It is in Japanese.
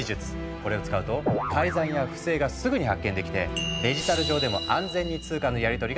これを使うと改ざんや不正がすぐに発見できてデジタル上でも安全に通貨のやりとりができるんだ。